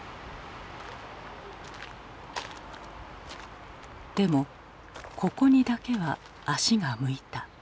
でもここにだけは足が向いた。